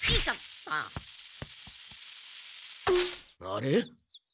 あれ？